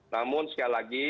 namun sekali lagi